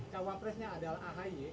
jawabannya adalah ahy